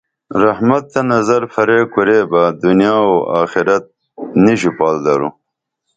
رحمت تہ نظر پھریع کوریبہ دنیا و آخرت نی ژوپال درو